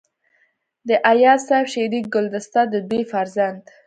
د اياز صيب شعري ګلدسته دَ دوي فرزند